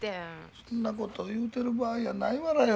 そんなこと言うてる場合やないわらよ。